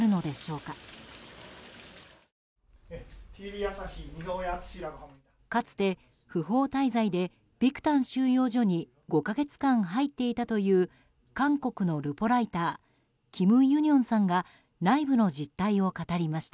かつて、不法滞在でビクタン収容所に５か月間入っていたという韓国のルポライターキム・ユニョンさんが内部の実態を語りました。